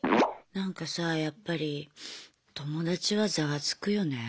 なんかさぁやっぱり友達はざわつくよね。